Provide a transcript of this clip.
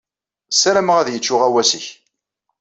Ssarameɣ ad yecc uɣawas-nnek.